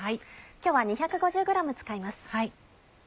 今日は２５０ｇ使います。